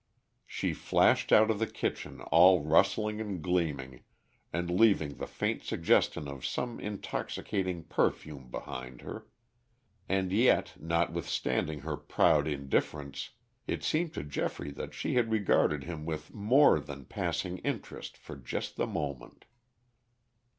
She flashed out of the kitchen all rustling and gleaming, and leaving the faint suggestion of some intoxicating perfume behind her. And yet, notwithstanding her proud indifference, it seemed to Geoffrey that she had regarded him with more than passing interest just for the moment.